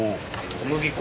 小麦粉。